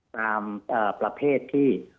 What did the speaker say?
ตามประเภทที่๖๓๐๗